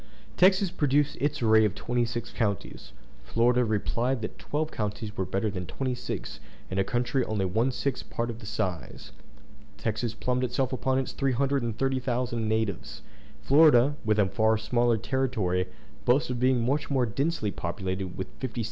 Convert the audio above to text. Texas produced its array of twenty six counties; Florida replied that twelve counties were better than twenty six in a country only one sixth part of the size. Texas plumed itself upon its 330,000 natives; Florida, with a far smaller territory, boasted of being much more densely populated with 56,000.